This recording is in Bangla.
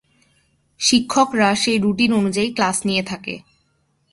শিক্ষকরা সেই রুটিন অনুযায়ী ক্লাস নিয়ে থাকে।